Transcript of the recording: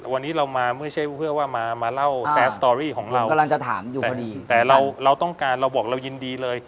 วันนี้เรามาไม่ใช่เพื่อว่ามามาเล่าแซสสตอรี่ของเรากำลังจะถามอยู่พอดีแต่เราเราต้องการเราบอกเรายินดีเลย